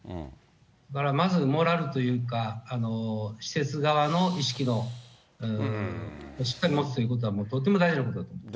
だからまずモラルというか、施設側の意識の、しっかり持つということは、とっても大事なことです。